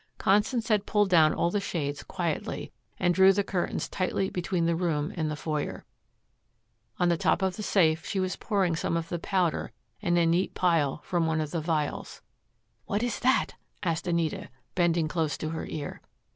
Constance had pulled down all the shades quietly, and drew the curtains tightly between the room and the foyer. On the top of the safe she was pouring some of the powder in a neat pile from one of the vials. "What is that?" asked Anita, bending close to her ear.